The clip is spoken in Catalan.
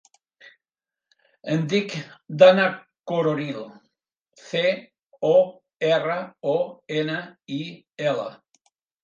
Em dic Dana Coronil: ce, o, erra, o, ena, i, ela.